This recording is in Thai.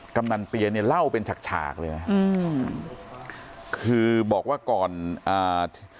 กำนันเปียเนี่ยเล่าเป็นฉากฉากเลยนะอืมคือบอกว่าก่อนอ่า